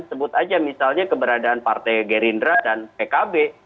sebut aja misalnya keberadaan partai gerindra dan pkb